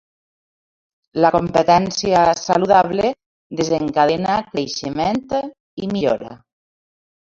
La competència saludable desencadena creixement i millora.